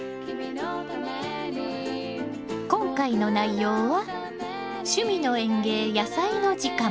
今回の内容は「趣味の園芸やさいの時間」